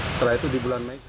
setelah itu di bulan mei